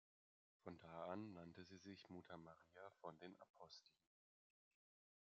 Von da an nannte sie sich "Mutter Maria von den Aposteln".